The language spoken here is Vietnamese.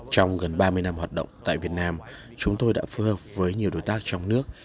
trong gần ba mươi năm hoạt động tại việt nam chúng tôi đã phù hợp với nhiều đối tác trong nước